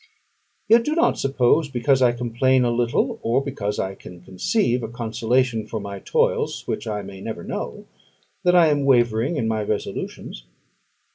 Yet do not suppose, because I complain a little, or because I can conceive a consolation for my toils which I may never know, that I am wavering in my resolutions.